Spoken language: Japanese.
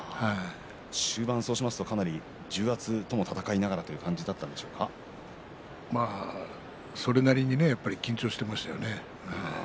終盤そうしますとかなり重圧との戦いになる感じそれなりに緊張していましたね。